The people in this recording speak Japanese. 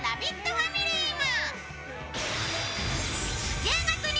ファミリーも。